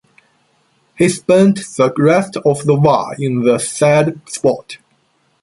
He spent the rest of the war in the said spot.